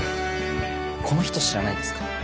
この人知らないですか？